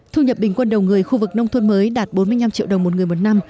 thu nhập bình quân đầu người khu vực nông thôn mới đạt bốn mươi năm triệu đồng một người một năm